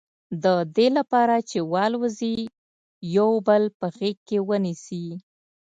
د دې لپاره چې والوزي یو بل په غېږ کې ونیسي.